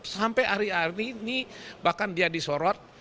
sampai hari hari ini bahkan dia disorot